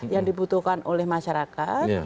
yang dibutuhkan oleh masyarakat